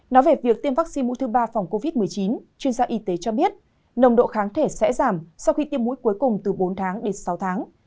nói về việc tiêm vaccine mũi thứ ba phòng covid một mươi chín chuyên gia y tế cho biết nồng độ kháng thể sẽ giảm sau khi tiêm mũi cuối cùng từ bốn tháng đến sáu tháng